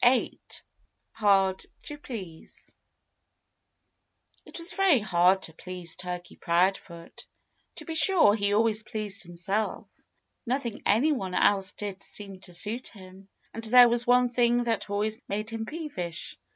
VIII HARD TO PLEASE It was very hard to please Turkey Proudfoot. To be sure, he always pleased himself. But nothing anyone else did seemed to suit him. And there was one thing that always made him peevish.